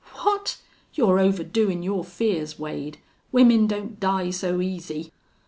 "What!... You're overdoin' your fears, Wade. Women don't die so easy."